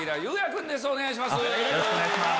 君お願いします。